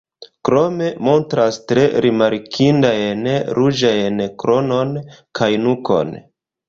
Krome montras tre rimarkindajn ruĝajn kronon kaj nukon.